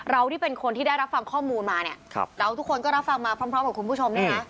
เราที่เป็นคนที่ได้รับฟังข้อมูลมาเราทุกคนก็รับฟังมาพร้อมของคุณผู้ชม